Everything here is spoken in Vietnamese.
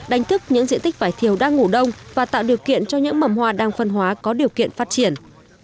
đánh thức những diện tích vải thiều đang ngủ đông và tạo điều kiện cho những mầm hoa đang phân hóa có điều kiện phát triển